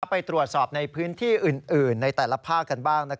ไปตรวจสอบในพื้นที่อื่นในแต่ละภาคกันบ้าง